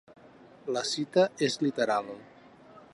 La cita és literal.